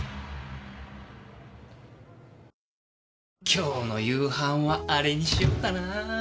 今日の夕飯はアレにしようかな。